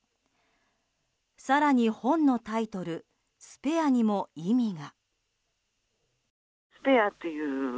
更に、本のタイトル「スペア」にも意味が。